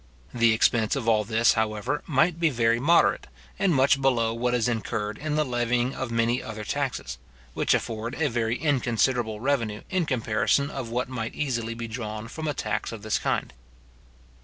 The expense of all this, however, might be very moderate, and much below what is incurred in the levying of many other taxes, which afford a very inconsiderable revenue in comparison of what might easily be drawn from a tax of this kind.